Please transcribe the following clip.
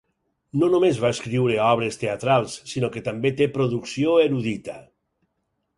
No només va escriure obres teatrals sinó que també té producció erudita.